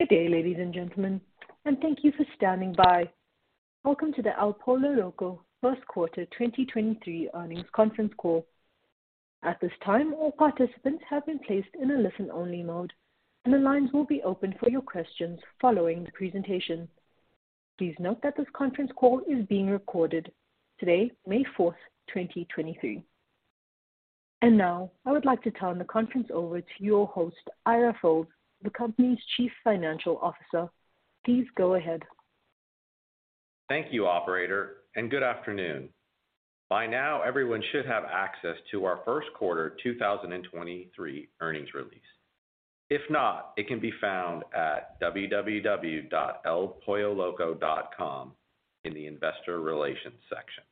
Good day, ladies and gentlemen, and thank you for standing by. Welcome to the El Pollo Loco First Quarter 2023 Earnings Conference Call. At this time, all participants have been placed in a listen-only mode, and the lines will be open for your questions following the presentation. Please note that this conference call is being recorded. Today, May 4th, 2023. Now, I would like to turn the conference over to your host, Ira Fils, the company's Chief Financial Officer. Please go ahead. Thank you, operator, and good afternoon. By now, everyone should have access to our first quarter 2023 earnings release. If not, it can be found at www.elpolloloco.com in the Investor Relations section.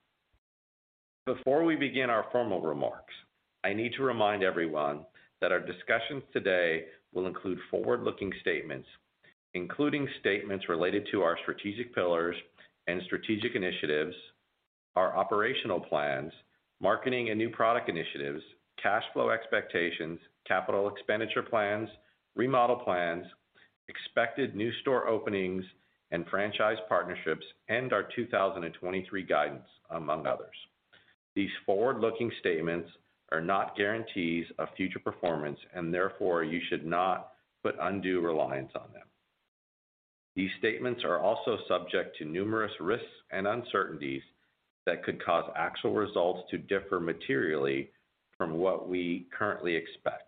Before we begin our formal remarks, I need to remind everyone that our discussions today will include forward-looking statements, including statements related to our strategic pillars and strategic initiatives, our operational plans, marketing and new product initiatives, cash flow expectations, capital expenditure plans, remodel plans, expected new store openings and franchise partnerships, and our 2023 guidance, among others. These forward-looking statements are not guarantees of future performance, and therefore you should not put undue reliance on them. These statements are also subject to numerous risks and uncertainties that could cause actual results to differ materially from what we currently expect.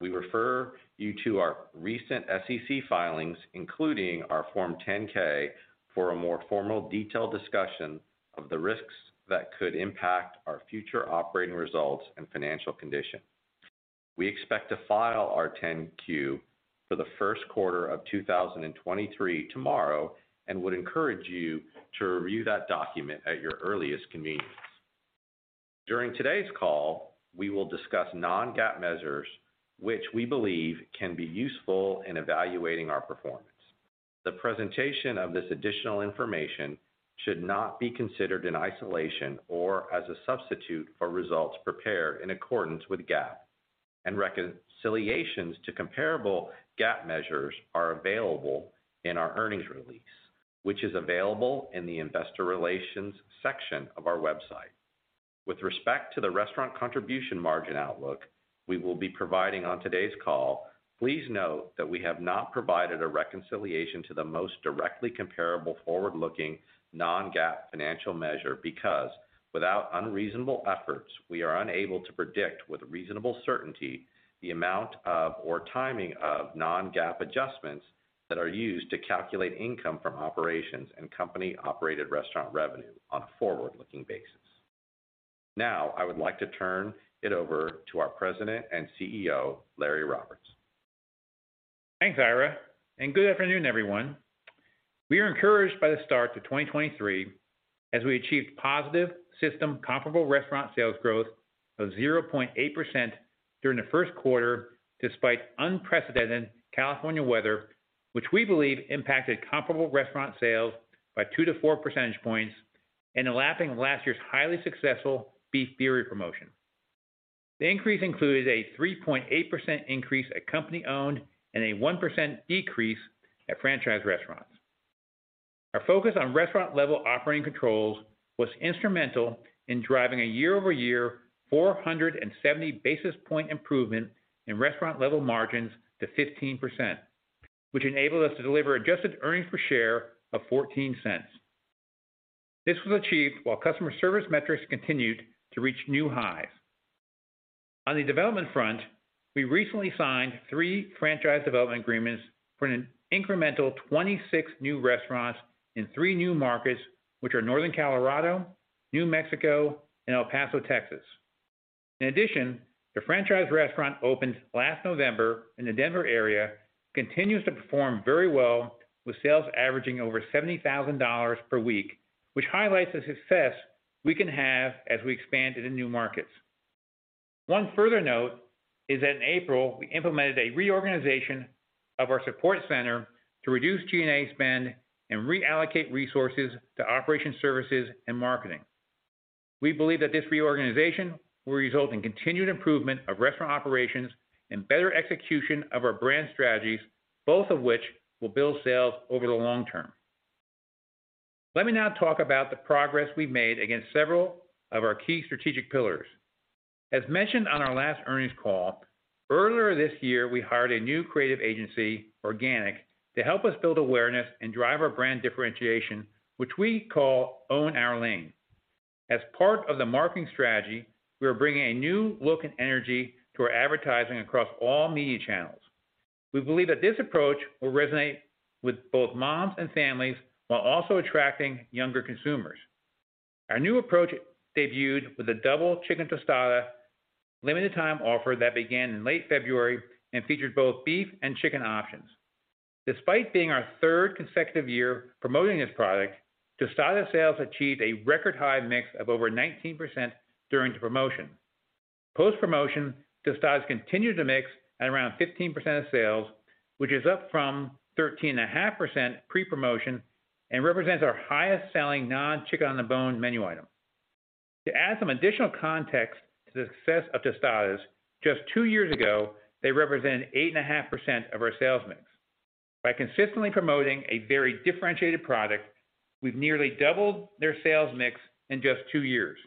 We refer you to our recent SEC filings, including our Form 10-K for a more formal detailed discussion of the risks that could impact our future operating results and financial condition. We expect to file our 10-Q for the first quarter of 2023 tomorrow and would encourage you to review that document at your earliest convenience. During today's call, we will discuss non-GAAP measures which we believe can be useful in evaluating our performance. The presentation of this additional information should not be considered in isolation or as a substitute for results prepared in accordance with GAAP, and reconciliations to comparable GAAP measures are available in our earnings release, which is available in the Investor Relations section of our website. With respect to the restaurant contribution margin outlook we will be providing on today's call, please note that we have not provided a reconciliation to the most directly comparable forward-looking non-GAAP financial measure because without unreasonable efforts, we are unable to predict with reasonable certainty the amount of or timing of non-GAAP adjustments that are used to calculate income from operations and company-operated restaurant revenue on a forward-looking basis. Now, I would like to turn it over to our President and CEO, Laurance Roberts. Thanks, Ira. Good afternoon, everyone. We are encouraged by the start to 2023 as we achieved positive system comparable restaurant sales growth of 0.8% during the first quarter despite unprecedented California weather, which we believe impacted comparable restaurant sales by 2-4 percentage points and elapsing last year's highly successful Beef Birria promotion. The increase included a 3.8% increase at company-owned and a 1% decrease at franchise restaurants. Our focus on restaurant level operating controls was instrumental in driving a year-over-year 470 basis point improvement in restaurant level margins to 15%, which enabled us to deliver adjusted earnings per share of $0.14. This was achieved while customer service metrics continued to reach new highs. On the development front, we recently signed three franchise development agreements for an incremental 26 new restaurants in three new markets, which are Northern Colorado, New Mexico, and El Paso, Texas. In addition, the franchise restaurant opened last November in the Denver area continues to perform very well with sales averaging over $70,000 per week, which highlights the success we can have as we expand into new markets. One further note is that in April, we implemented a reorganization of our support center to reduce G&A spend and reallocate resources to operation services and marketing. We believe that this reorganization will result in continued improvement of restaurant operations and better execution of our brand strategies, both of which will build sales over the long term. Let me now talk about the progress we made against several of our key strategic pillars. As mentioned on our last earnings call, earlier this year we hired a new creative agency, Organic, to help us build awareness and drive our brand differentiation, which we call Own Our Lane. As part of the marketing strategy, we are bringing a new look and energy to our advertising across all media channels. We believe that this approach will resonate with both moms and families while also attracting younger consumers. Our new approach debuted with a Double Chicken Tostada limited time offer that began in late February and featured both beef and chicken options. Despite being our third consecutive year promoting this product, tostada sales achieved a record high mix of over 19% during the promotion. Post-promotion, tostadas continued to mix at around 15% of sales, which is up from 13.5% pre-promotion and represents our highest-selling non-chicken on-the-bone menu item. To add some additional context to the success of tostadas, just two years ago, they represent 8.5% of our sales mix. By consistently promoting a very differentiated product, we've nearly doubled their sales mix in just two years.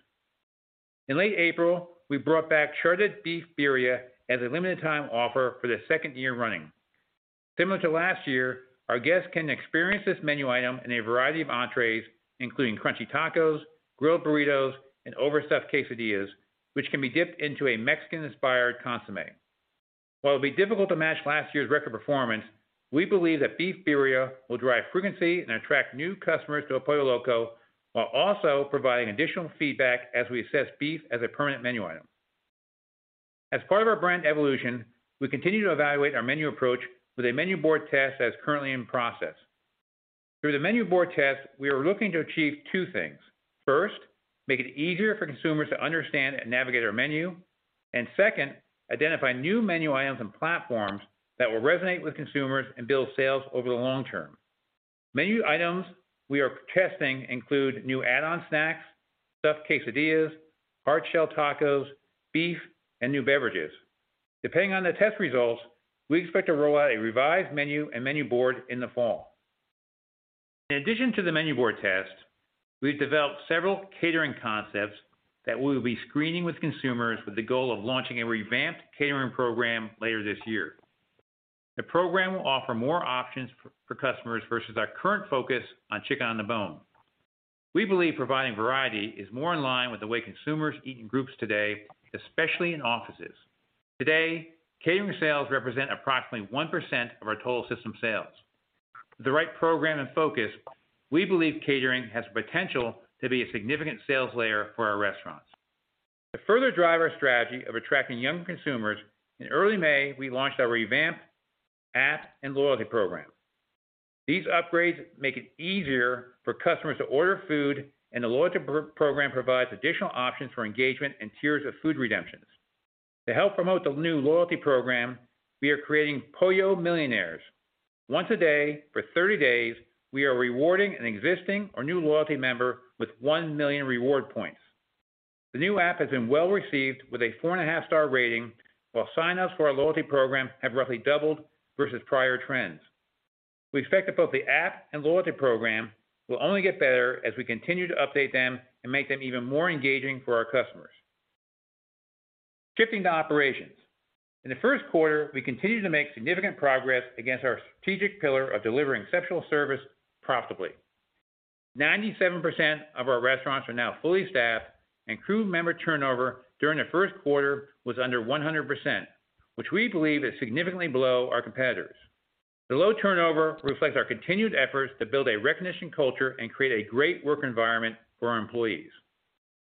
In late April, we brought back Shredded Beef Birria as a limited time offer for the 2nd year running. Similar to last year, our guests can experience this menu item in a variety of entrees, including crunchy tacos, grilled burritos, and overstuffed quesadillas, which can be dipped into a Mexican-inspired Consomé. While it'll be difficult to match last year's record performance, we believe that Beef Birria will drive frequency and attract new customers to El Pollo Loco while also providing additional feedback as we assess beef as a permanent menu item. As part of our brand evolution, we continue to evaluate our menu approach with a menu board test that's currently in process. Through the menu board test, we are looking to achieve two things. First, make it easier for consumers to understand and navigate our menu. Second, identify new menu items and platforms that will resonate with consumers and build sales over the long term. Menu items we are testing include new add-on snacks, stuffed quesadillas, hard shell tacos, beef, and new beverages. Depending on the test results, we expect to roll out a revised menu and menu board in the fall. In addition to the menu board test, we've developed several catering concepts that we'll be screening with consumers with the goal of launching a revamped catering program later this year. The program will offer more options for customers versus our current focus on chicken on the bone. We believe providing variety is more in line with the way consumers eat in groups today, especially in offices. Today, catering sales represent approximately 1% of our total system sales. With the right program and focus, we believe catering has potential to be a significant sales layer for our restaurants. To further drive our strategy of attracting younger consumers, in early May, we launched our revamped app and loyalty program. These upgrades make it easier for customers to order food, and the loyalty program provides additional options for engagement and tiers of food redemptions. To help promote the new loyalty program, we are creating Pollo Millionaires. Once a day for 30 days, we are rewarding an existing or new loyalty member with 1 million reward points. The new app has been well-received with a 4.5 star rating, while sign-ups for our loyalty program have roughly doubled versus prior trends. We expect that both the app and loyalty program will only get better as we continue to update them and make them even more engaging for our customers. Shifting to operations. In the first quarter, we continued to make significant progress against our strategic pillar of delivering exceptional service profitably. 97% of our restaurants are now fully staffed, and crew member turnover during the first quarter was under 100%, which we believe is significantly below our competitors. The low turnover reflects our continued efforts to build a recognition culture and create a great work environment for our employees.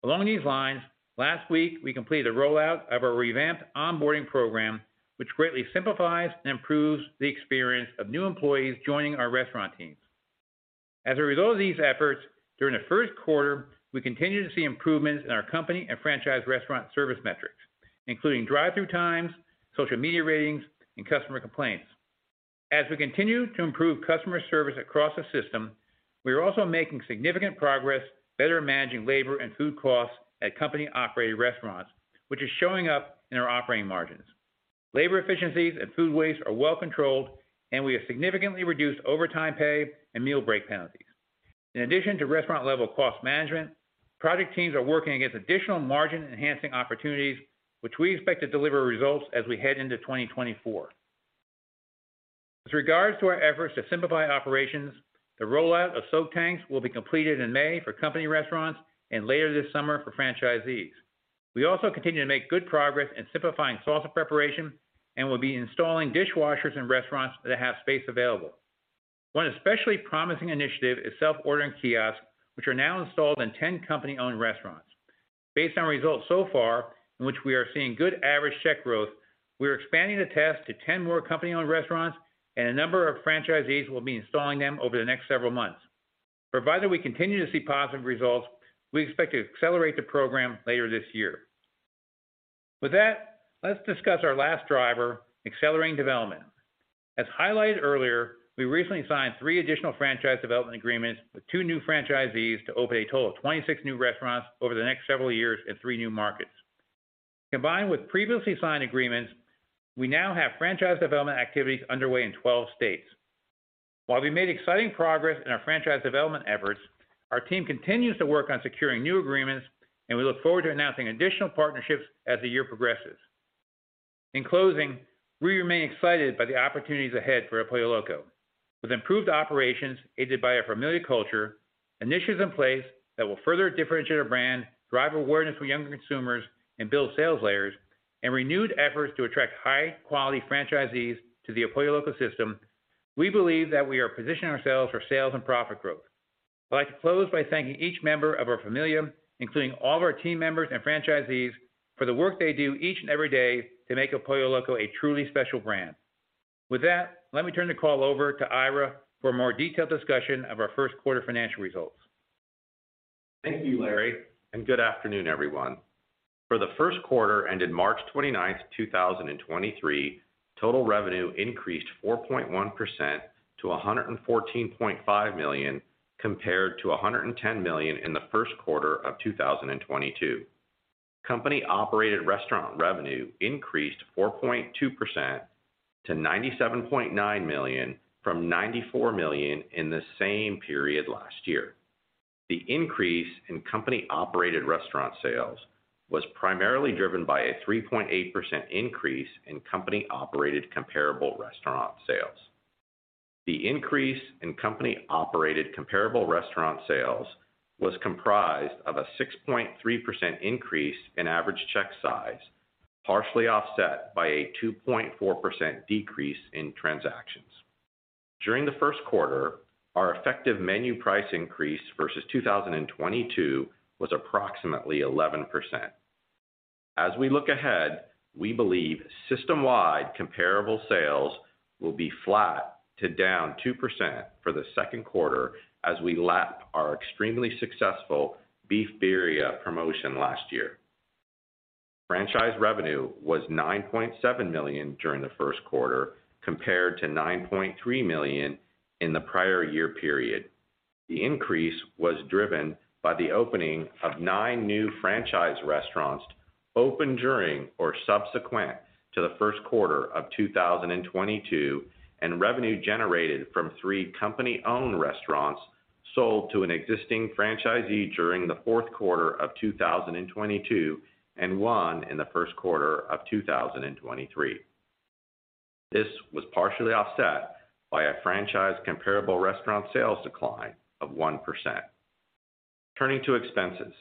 Along these lines, last week, we completed a rollout of our revamped onboarding program, which greatly simplifies and improves the experience of new employees joining our restaurant teams. As a result of these efforts, during the first quarter, we continued to see improvements in our company and franchise restaurant service metrics, including drive-thru times, social media ratings, and customer complaints. As we continue to improve customer service across the system, we are also making significant progress better managing labor and food costs at company-operated restaurants, which is showing up in our operating margins. Labor efficiencies and food waste are well controlled, and we have significantly reduced overtime pay and meal break penalties. In addition to restaurant-level cost management, project teams are working against additional margin-enhancing opportunities, which we expect to deliver results as we head into 2024. With regards to our efforts to simplify operations, the rollout of soak tanks will be completed in May for company restaurants and later this summer for franchisees. We also continue to make good progress in simplifying salsa preparation and will be installing dishwashers in restaurants that have space available. One especially promising initiative is self-ordering kiosks, which are now installed in 10 company-owned restaurants. Based on results so far in which we are seeing good average check growth, we're expanding the test to 10 more company-owned restaurants, and a number of franchisees will be installing them over the next several months. Provided we continue to see positive results, we expect to accelerate the program later this year. With that, let's discuss our last driver, accelerating development. As highlighted earlier, we recently signed three additional franchise development agreements with two new franchisees to open a total of 26 new restaurants over the next several years in three new markets. Combined with previously signed agreements, we now have franchise development activities underway in 12 states. While we made exciting progress in our franchise development efforts, our team continues to work on securing new agreements, and we look forward to announcing additional partnerships as the year progresses. In closing, we remain excited by the opportunities ahead for El Pollo Loco. With improved operations aided by a familiar culture, initiatives in place that will further differentiate our brand, drive awareness for younger consumers, and build sales layers, and renewed efforts to attract high-quality franchisees to the El Pollo Loco system, we believe that we are positioning ourselves for sales and profit growth. I'd like to close by thanking each member of our familia, including all of our team members and franchisees, for the work they do each and every day to make El Pollo Loco a truly special brand. With that, let me turn the call over to Ira for a more detailed discussion of our first quarter financial results. Thank you, Laurance, good afternoon, everyone. For the first quarter ended March 29th, 2023, total revenue increased 4.1% to $114.5 million, compared to $110 million in the first quarter of 2022. Company-operated restaurant revenue increased 4.2% to $97.9 million from $94 million in the same period last year. The increase in company-operated restaurant sales was primarily driven by a 3.8% increase in company-operated comparable restaurant sales. The increase in company-operated comparable restaurant sales was comprised of a 6.3% increase in average check size, partially offset by a 2.4% decrease in transactions. During the first quarter, our effective menu price increase versus 2022 was approximately 11%. As we look ahead, we believe system-wide comparable sales will be flat to down 2% for the second quarter as we lap our extremely successful Beef Birria promotion last year. Franchise revenue was $9.7 million during the first quarter compared to $9.3 million in the prior year period. The increase was driven by the opening of nine new franchise restaurants opened during or subsequent to the first quarter of 2022, and revenue generated from three company-owned restaurants sold to an existing franchisee during the fourth quarter of 2022, and one in the first quarter of 2023. This was partially offset by a franchise comparable restaurant sales decline of 1%. Turning to expenses.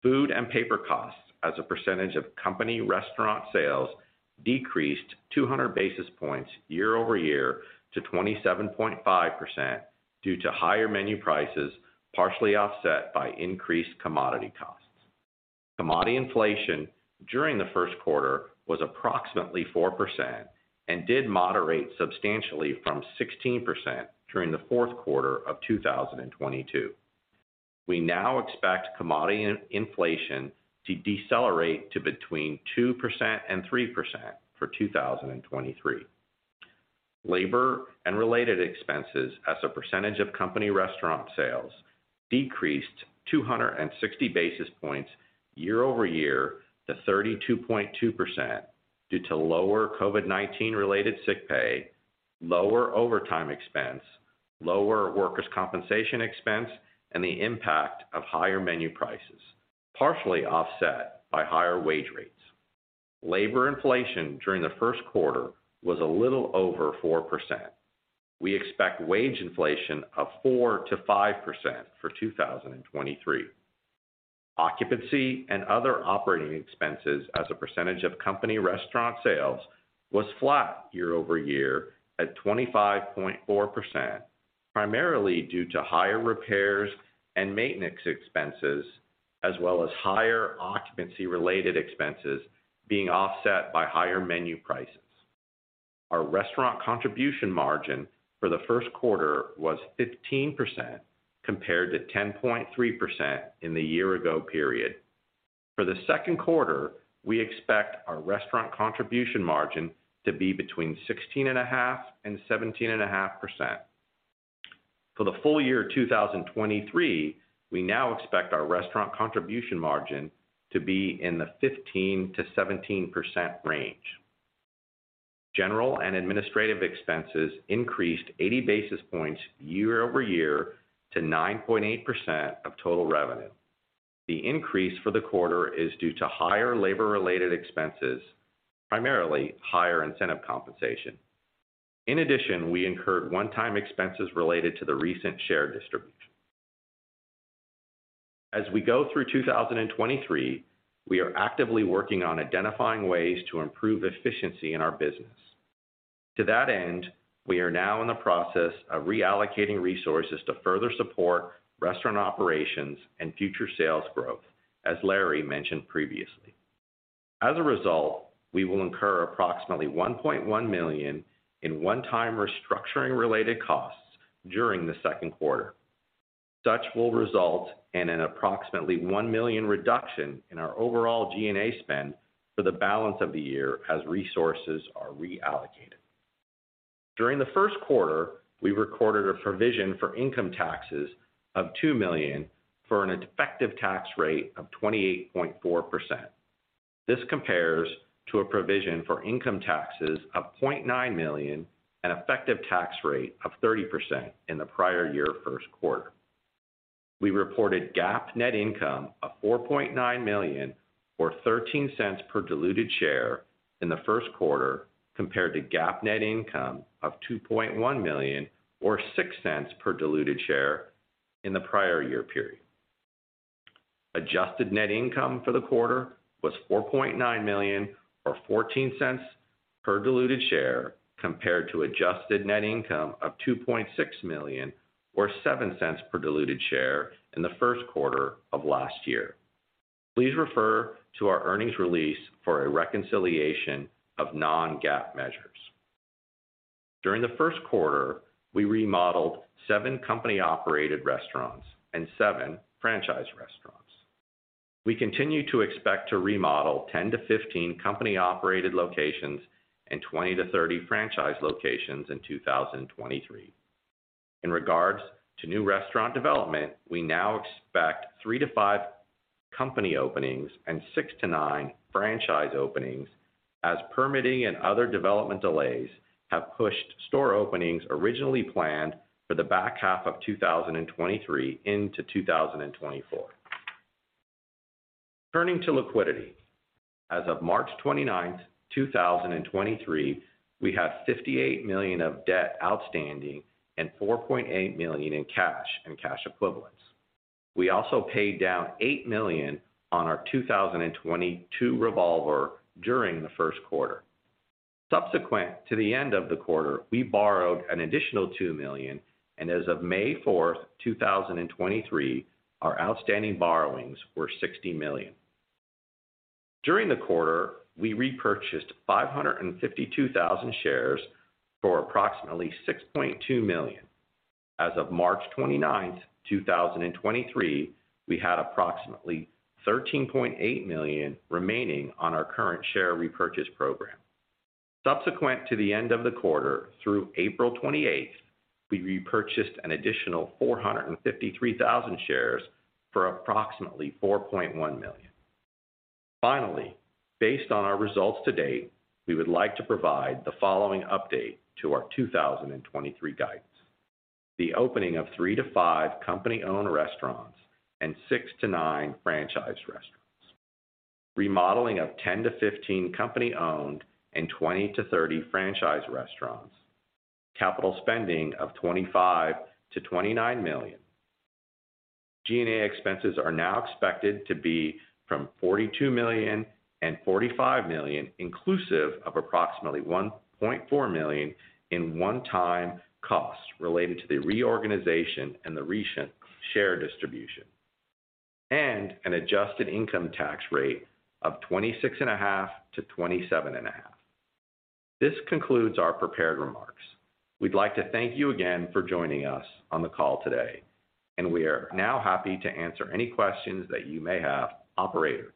Food and paper costs as a percentage of company restaurant sales decreased 200 basis points year-over-year to 27.5% due to higher menu prices, partially offset by increased commodity costs. Commodity inflation during the first quarter was approximately 4% and did moderate substantially from 16% during the fourth quarter of 2022. We now expect commodity in-inflation to decelerate to between 2% and 3% for 2023. Labor and related expenses as a percentage of company restaurant sales decreased 260 basis points year-over-year to 32.2% due to lower COVID-19 related sick pay, lower overtime expense, lower workers' compensation expense, and the impact of higher menu prices, partially offset by higher wage rates. Labor inflation during the first quarter was a little over 4%. We expect wage inflation of 4%-5% for 2023. Occupancy and other operating expenses as a percentage of company restaurant sales was flat year-over-year at 25.4%, primarily due to higher repairs and maintenance expenses, as well as higher occupancy-related expenses being offset by higher menu prices. Our restaurant contribution margin for the first quarter was 15% compared to 10.3% in the year ago period. For the second quarter, we expect our restaurant contribution margin to be between 16.5% and 17.5%. For the full year 2023, we now expect our restaurant contribution margin to be in the 15%-17% range. General and administrative expenses increased 80 basis points year-over-year to 9.8% of total revenue. The increase for the quarter is due to higher labor-related expenses, primarily higher incentive compensation. We incurred one-time expenses related to the recent share distribution. As we go through 2023, we are actively working on identifying ways to improve efficiency in our business. To that end, we are now in the process of reallocating resources to further support restaurant operations and future sales growth, as Laurance mentioned previously. We will incur approximately $1.1 million in one-time restructuring related costs during the second quarter. Such will result in an approximately $1 million reduction in our overall G&A spend for the balance of the year as resources are reallocated. During the first quarter, we recorded a provision for income taxes of $2 million, for an effective tax rate of 28.4%. This compares to a provision for income taxes of $0.9 million, an effective tax rate of 30% in the prior year first quarter. We reported GAAP net income of $4.9 million or $0.13 per diluted share in the first quarter compared to GAAP net income of $2.1 million or $0.06 per diluted share in the prior year period. Adjusted net income for the quarter was $4.9 million or $0.14 per diluted share compared to adjusted net income of $2.6 million or $0.07 per diluted share in the first quarter of last year. Please refer to our earnings release for a reconciliation of non-GAAP measures. During the first quarter, we remodeled seven company-operated restaurants and seven franchise restaurants. We continue to expect to remodel 10-15 company-operated locations and 20-30 franchise locations in 2023. In regards to new restaurant development, we now expect 3-5 company openings and 6-9 franchise openings as permitting and other development delays have pushed store openings originally planned for the back half of 2023 into 2024. Turning to liquidity. As of March 29, 2023, we have $58 million of debt outstanding and $4.8 million in cash and cash equivalents. We also paid down $8 million on our 2022 revolver during the first quarter. Subsequent to the end of the quarter, we borrowed an additional $2 million, and as of May 4th, 2023, our outstanding borrowings were $60 million. During the quarter, we repurchased 552,000 shares for approximately $6.2 million. As of March 29, 2023, we had approximately $13.8 million remaining on our current share repurchase program. Subsequent to the end of the quarter, through April 28th, we repurchased an additional 453,000 shares for approximately $4.1 million. Finally, based on our results to date, we would like to provide the following update to our 2023 guidance. The opening of 3-5 company-owned restaurants and 6-9 franchise restaurants. Remodeling of 10-15 company-owned and 20-30 franchise restaurants. Capital spending of $25 million-$29 million. G&A expenses are now expected to be from $42 million-$45 million, inclusive of approximately $1.4 million in one-time costs related to the reorganization and the recent share distribution. An adjusted income tax rate of 26.5%-27.5%. This concludes our prepared remarks. We'd like to thank you again for joining us on the call today, and we are now happy to answer any questions that you may have. Operator,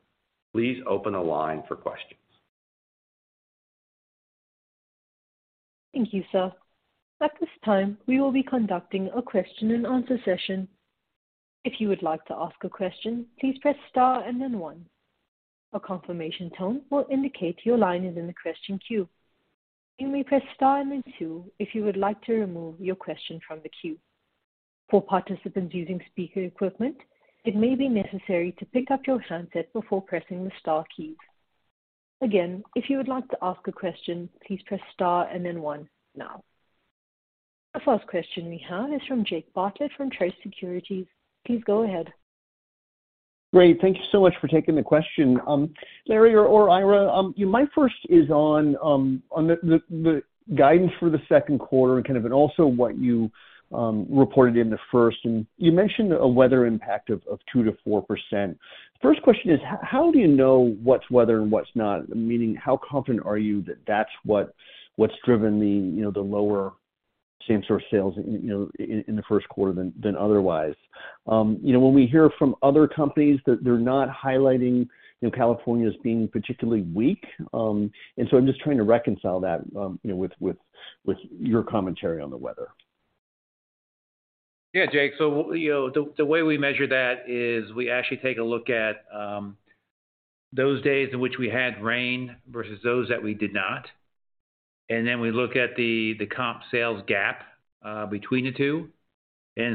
please open the line for questions. Thank you, sir. At this time, we will be conducting a question and answer session. If you would like to ask a question, please press star and then one. A confirmation tone will indicate your line is in the question queue. You may press star and then two if you would like to remove your question from the queue. For participants using speaker equipment, it may be necessary to pick up your handset before pressing the star key. Again, if you would like to ask a question, please press star and then one now. The first question we have is from Jake Bartlett from Truist Securities. Please go ahead. Great. Thank you so much for taking the question. Laurance or Ira, my first is on the guidance for the second quarter and also what you reported in the first. You mentioned a weather impact of 2%-4%. First question is, how do you know what's weather and what's not? Meaning, how confident are you that that's what's driven the, you know, the lower same store sales in the first quarter than otherwise? You know, when we hear from other companies that they're not highlighting, you know, California as being particularly weak, I'm just trying to reconcile that, you know, with your commentary on the weather. Yeah, Jake. You know, the way we measure that is we actually take a look at those days in which we had rain versus those that we did not, and then we look at the comp sales gap between the two.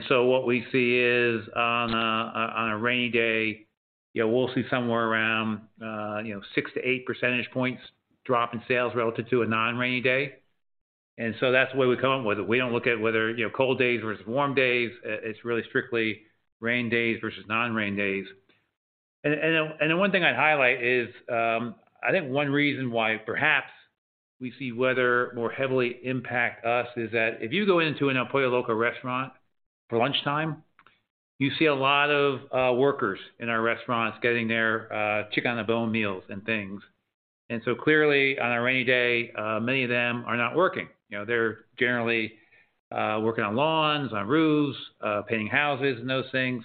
What we see is on a rainy day, you know, we'll see somewhere around, you know, 6-8 percentage points drop in sales relative to a non-rainy day. That's the way we come up with it. We don't look at whether, you know, cold days versus warm days. It's really strictly rain days versus non-rain days. The one thing I'd highlight is, I think one reason why perhaps we see weather more heavily impact us is that if you go into an El Pollo Loco restaurant for lunchtime, you see a lot of workers in our restaurants getting their chicken on the bone meals and things. Clearly, on a rainy day, many of them are not working. You know, they're generally working on lawns, on roofs, painting houses and those things.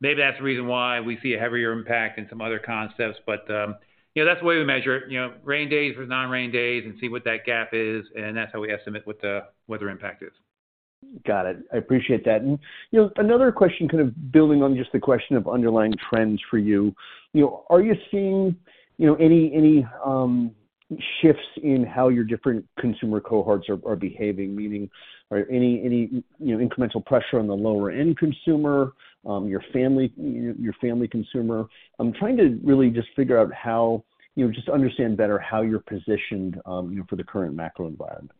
Maybe that's the reason why we see a heavier impact in some other concepts. That's the way we measure it. You know, rain days versus non-rain days and see what that gap is, and that's how we estimate what the weather impact is. Got it. I appreciate that. Another question building on just the question of underlying trends for you. Are you seeing, any shifts in how your different consumer cohorts are behaving? Meaning are any, incremental pressure on the lower end consumer, your family consumer? I'm trying to really just figure out how, you know, just understand better how you're positioned, for the current macro environment.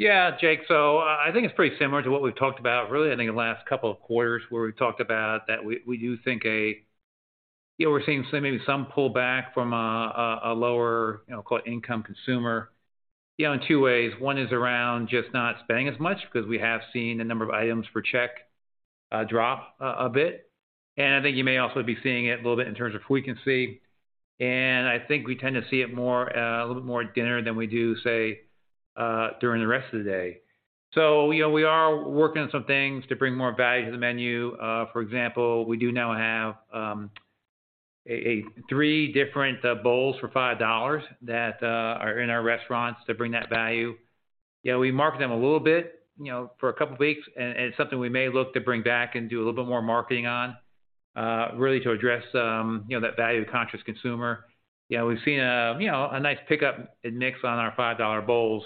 Jake. I think it's pretty similar to what we've talked about, really, I think the last couple of quarters where we've talked about that we do think. We're seeing maybe some pullback from a lower, you know, quote, income consumer, in two ways. One is around just not spending as much because we have seen the number of items per check drop a bit, I think you may also be seeing it a little bit in terms of frequency. I think we tend to see it more, a little bit more at dinner than we do, say, during the rest of the day. We are working on some things to bring more value to the menu. For example, we do now have three different bowls for $5 that are in our restaurants to bring that value. You know, we market them a little bit, for a couple weeks and something we may look to bring back and do a little bit more marketing on, really to address, you know, that value conscious consumer. We've seen, a nice pickup in mix on our $5 bowls.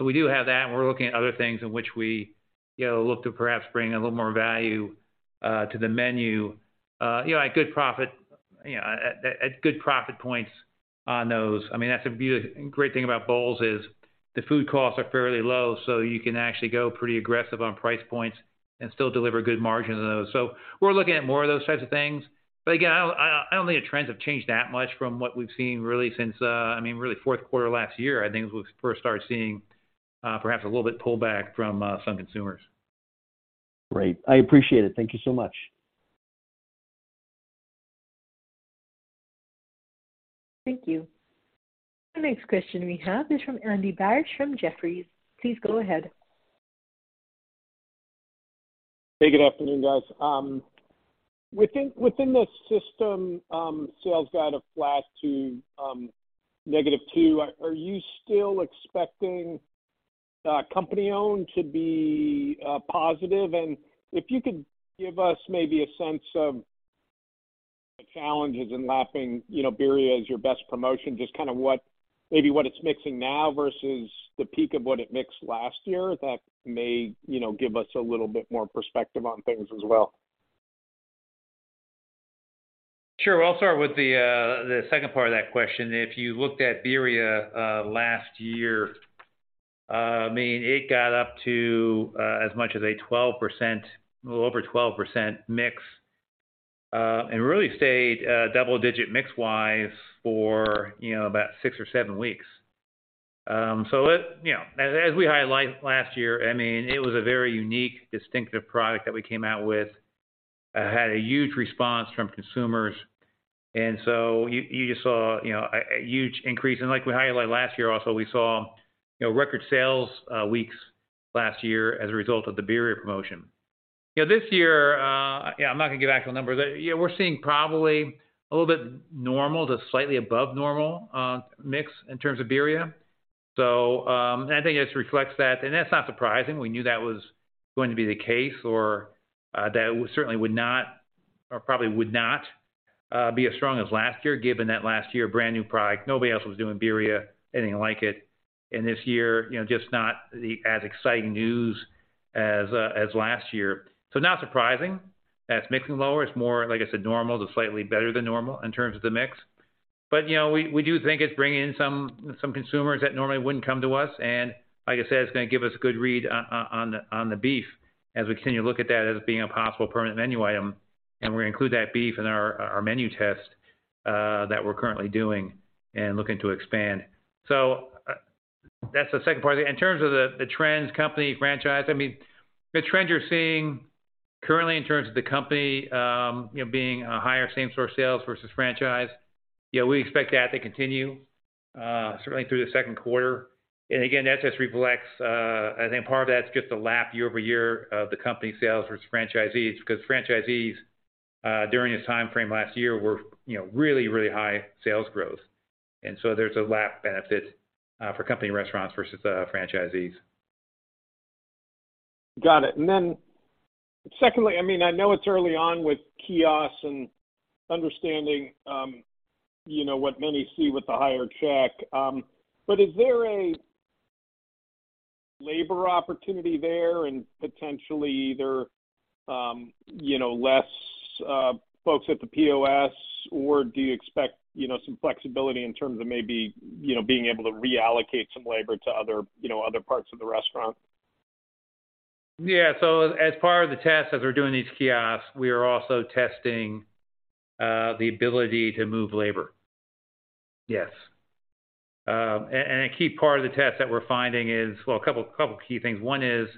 We do have that, and we're looking at other things in which we, look to perhaps bring a little more value to the menu, at good profit, at good profit points on those. I mean, that's a great thing about bowls is the food costs are fairly low, so you can actually go pretty aggressive on price points and still deliver good margins on those. We're looking at more of those types of things. Again, I don't, I don't think the trends have changed that much from what we've seen really since, I mean, really fourth quarter last year, I think is when we first started seeing perhaps a little bit pullback from some consumers. Great. I appreciate it. Thank you so much. Thank you. The next question we have is from Andy Barish from Jefferies. Please go ahead. Hey, good afternoon, guys. Within the system sales guide of flat to -2%, are you still expecting company-owned to be positive? If you could give us maybe a sense of the challenges in lapping, Birria as your best promotion, just what it's mixing now versus the peak of what it mixed last year. That may, you know, give us a little bit more perspective on things as well? Sure. I'll start with the second part of that question. If you looked at Shredded Beef Birria last year, I mean, it got up to well over 12% mix and really stayed double-digit mix-wise for, you know, about six or seven weeks. It, as we highlighted last year, I mean, it was a very unique, distinctive product that we came out with, had a huge response from consumers. You just saw a huge increase. Like we highlighted last year also, we saw, record sales weeks last year as a result of the Shredded Beef Birria promotion. This year, yeah, I'm not gonna get back to the numbers. You know, we're seeing probably a little bit normal to slightly above normal mix in terms of birria. And I think it just reflects that. That's not surprising. We knew that was going to be the case or that certainly would not or probably would not be as strong as last year, given that last year, brand new product, nobody else was doing Birria, anything like it. This year, just not the as exciting news as last year. Not surprising. That's mixing lower. It's more, like I said, normal to slightly better than normal in terms of the mix. We do think it's bringing in some consumers that normally wouldn't come to us. Like I said, it's gonna give us a good read on the beef as we continue to look at that as being a possible permanent menu item. We're gonna include that beef in our menu test that we're currently doing and looking to expand. That's the second part. In terms of the trends company franchise, I mean, the trends you're seeing currently in terms of the company, being a higher same-store sales versus franchise, you know, we expect that to continue certainly through the second quarter. Again, that just reflects, I think part of that's just the lap year-over-year of the company sales versus franchisees, because franchisees during this timeframe last year were, really high sales growth. There's a lap benefit for company restaurants versus franchisees. Got it. Secondly, I mean, I know it's early on with kiosks and understanding, what many see with the higher check, but is there a labor opportunity there and potentially either, less folks at the POS, or do you expect, you know, some flexibility in terms of maybe, being able to reallocate some labor to other, you know, other parts of the restaurant? Yeah. As part of the test, as we're doing these kiosks, we are also testing the ability to move labor. Yes. A key part of the test that we're finding is, Well, a couple key things. One is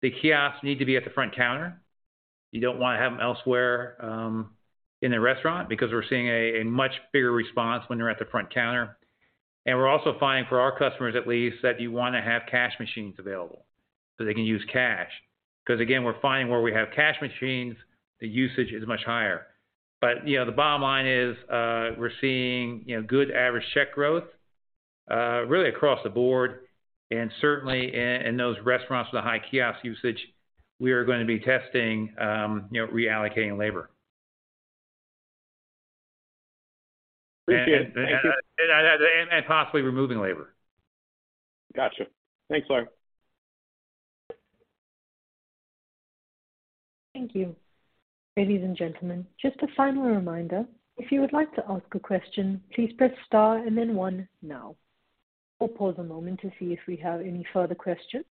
the kiosks need to be at the front counter. You don't wanna have them elsewhere in the restaurant because we're seeing a much bigger response when they're at the front counter. We're also finding for our customers, at least, that you wanna have cash machines available so they can use cash. Again, we're finding where we have cash machines, the usage is much higher. The bottom line is, we're seeing, good average check growth really across the board. Certainly in those restaurants with a high kiosk usage, we are gonna be testing, you know, reallocating labor. Appreciate it. Thank you. Possibly removing labor. Gotcha. Thanks, Laurance. Thank you. Ladies and gentlemen, just a final reminder, if you would like to ask a question, please press star and then one now. We'll pause a moment to see if we have any further questions.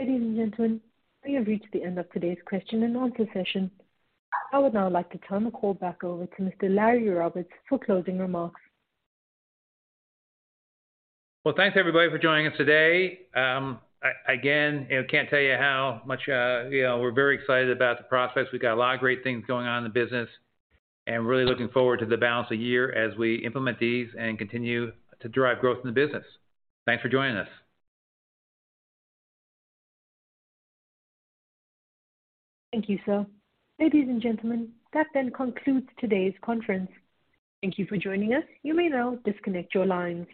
Ladies and gentlemen, we have reached the end of today's question and answer session. I would now like to turn the call back over to Mr. Laurance Roberts for closing remarks. Thanks everybody for joining us today. Again, can't tell you how much, we're very excited about the process. We've got a lot of great things going on in the business and really looking forward to the balance of the year as we implement these and continue to drive growth in the business. Thanks for joining us. Thank you, sir. Ladies and gentlemen, that then concludes today's conference. Thank you for joining us. You may now disconnect your lines.